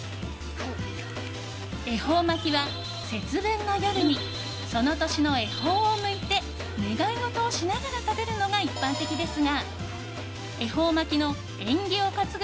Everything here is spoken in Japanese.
恵方巻きは、節分の夜にその年の恵方を向いて願い事をしながら食べるのが一般的ですが恵方巻きの縁起を担ぐ